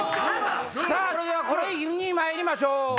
さぁそれではこれにまいりましょう。